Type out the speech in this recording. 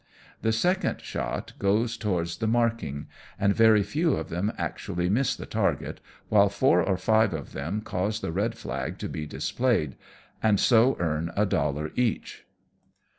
The second shot goes towards the marking, and very few of them actually miss the target, while four or five of them cause the red flag to be displayed, and so earn a dollar each.